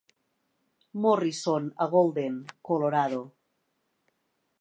Morrison a Golden, Colorado.